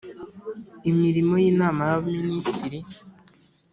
Imirimo y Inama y Abaminisitiri